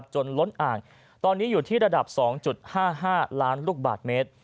จนล้นอ่างตอนนี้อยู่ที่ระดับ๒๕๕ล้านลูกบาทเมตร